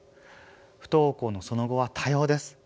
不登校のその後は多様です。